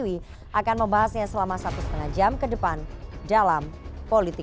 tewi akan membahasnya selama satu setengah jam kedepan dalam politik